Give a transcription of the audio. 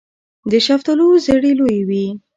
د شفتالو زړې لویې وي.